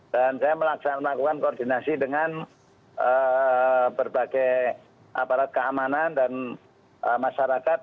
dan saya melakukan koordinasi dengan berbagai aparat keamanan dan masyarakat